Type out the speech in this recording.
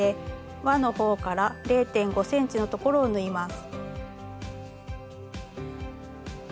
わの方から０．５ｃｍのところを縫います。